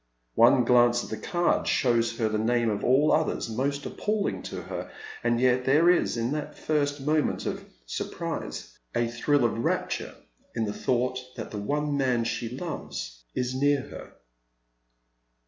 One glance at the card shows her the name of all others most appalling to her, and yet there is, in that first moment of surprise, a thrill of rapture in the thought that the one man she 'oves is near her.